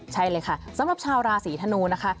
ใช่เลยค่ะสำหรับชาวราศีธนูนะคะ